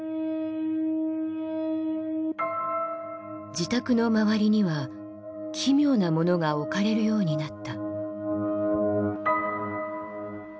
自宅の周りには奇妙なものが置かれるようになった。